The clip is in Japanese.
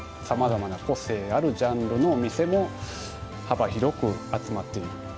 さまざまな個性あるジャンルのお店も幅広く集まっている。